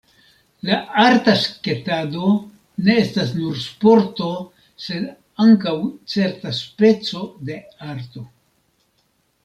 La arta sketado ne estas nur sporto, sed ankaŭ certa speco de arto.